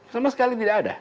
sama sekali tidak ada